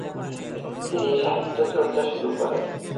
তিনি সাহিত্যচর্চা শুরু করেন।